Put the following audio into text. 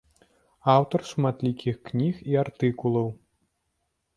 Аўтар шматлікіх кніг і артыкулаў.